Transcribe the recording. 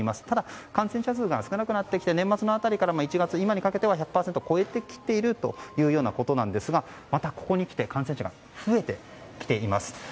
ただ感染者数が少なくなってきて年末の辺りから１月、今にかけては１００％を超えてきているという状況なんですがまた、ここに来て感染者が増えてきています。